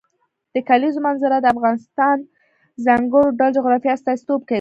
د کلیزو منظره د افغانستان د ځانګړي ډول جغرافیه استازیتوب کوي.